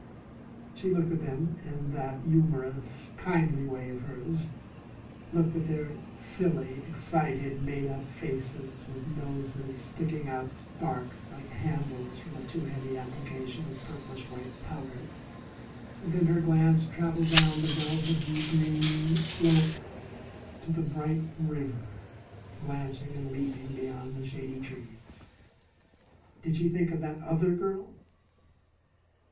She looked at them in that humorous, kindly way of hers, looked at their silly, excited, made up faces with noses sticking out stark, like handles, from a too heavy application of purplish white powder. Then her glance travelled down the velvety green slope to the bright river glancing and leaping beyond the shady trees. Did she think of that other girl?